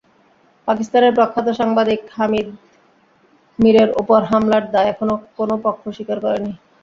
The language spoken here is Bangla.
পাকিস্তানের প্রখ্যাত সাংবাদিক হামিদ মিরের ওপর হামলার দায় এখনো কোনো পক্ষ স্বীকার করেনি।